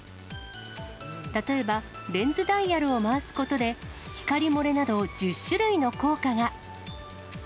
例えばレンズダイヤルを回すことで、光漏れなど１０種類の効果が。